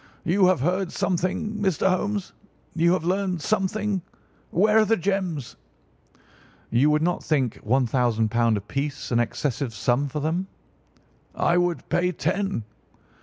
You have heard something, Mr. Holmes; you have learned something! Where are the gems?" "You would not think £ 1000 apiece an excessive sum for them?" "I would pay ten."